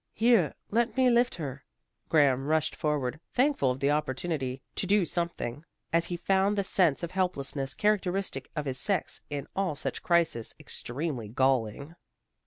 "Here, let me lift her." Graham rushed forward, thankful for the opportunity to do something, as he found the sense of helplessness characteristic of his sex in all such crises extremely galling.